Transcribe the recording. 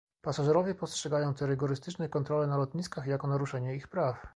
Pasażerowie postrzegają te rygorystyczne kontrole na lotniskach jako naruszenie ich praw